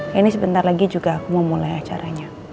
ya ini sebentar lagi juga aku mau mulai acaranya